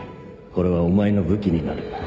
これはお前の武器になる